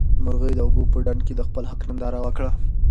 مرغۍ د اوبو په ډنډ کې د خپل حق ننداره وکړه.